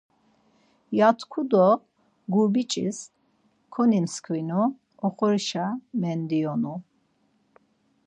ya tku do gurp̌icis konimxvinu, oxorişa mendiyonu.